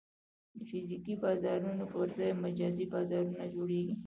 د فزیکي بازارونو پر ځای مجازي بازارونه جوړېږي.